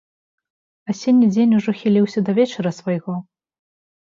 Асенні дзень ужо хіліўся да вечара свайго.